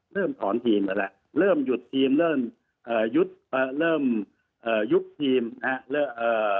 เริ่มถอนทีมกันแล้วเริ่มหยุดทีมเริ่มยุดเริ่มยุบทีมนะครับ